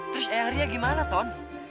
terus ayah ria gimana ton